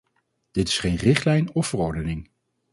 Dit is geen richtlijn of verordening.